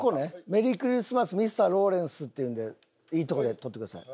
「メリークリスマスミスターローレンス」って言うんでいいとこで撮ってください。